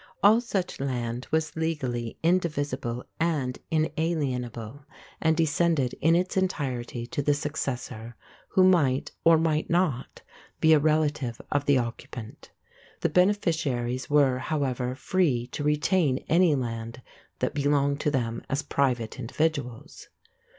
All such land was legally indivisible and inalienable and descended in its entirety to the successor, who might, or might not, be a relative of the occupant. The beneficiaries were, however, free to retain any land that belonged to them as private individuals.